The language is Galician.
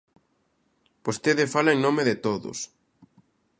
¡Vostede fala en nome de todos!